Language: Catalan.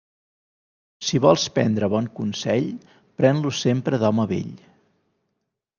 Si vols prendre bon consell, pren-lo sempre d'home vell.